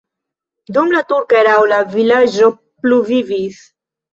Dum la turka erao la vilaĝo pluvivis.